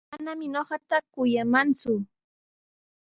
Manami ñuqata kuyamanku.